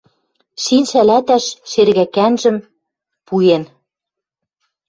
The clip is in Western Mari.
Шин шӓлӓтӓш шергӓкӓнжӹм пуэн —